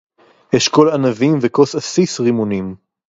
אֶשְׁכּוֹל עֲנָבִים וְכוֹס עֲסִיס רִמּוֹנִים